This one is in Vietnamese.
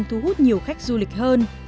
được nhiều khách du lịch hơn